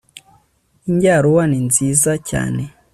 injaruwa ni nziza cyane